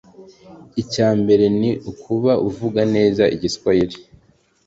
icya mbere ni ukuba uvuga neza Igiswahili